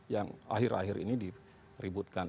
yang akhir akhir ini dikeributkan